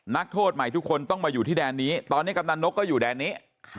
นักโทษใหม่ทุกคนต้องมาอยู่ที่แดนนี้ตอนนี้กำนันนกก็อยู่แดนนี้